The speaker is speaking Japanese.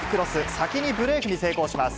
先にブレークに成功します。